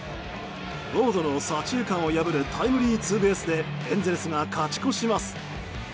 ウォードの左中間を破るタイムリーツーベースでエンゼルスが勝ち越します。